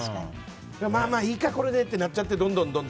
だから、いいっかこれでってなっちゃって、どんどん。